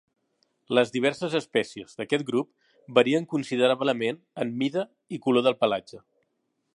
Les diverses espècies d'aquest grup varien considerablement en mida i color del pelatge.